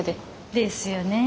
ですよねえ。